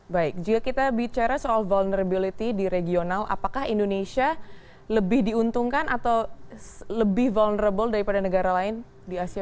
baik jika kita bicara soal vulnerability di regional apakah indonesia lebih diuntungkan atau lebih vulnerable daripada negara lain di asia